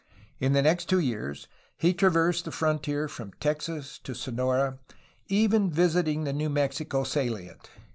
In the next two years he traversed the frontier from Texas to Sonora, even visiting the New Mexico saUent.